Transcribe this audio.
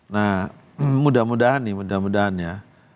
nah mudah mudahan nih mudah mudahan ya